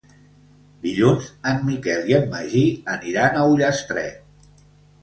Dilluns en Miquel i en Magí aniran a Ullastret.